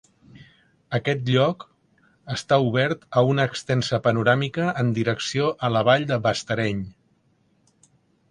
Aquest lloc està obert a una extensa panoràmica en direcció a la vall de Bastareny.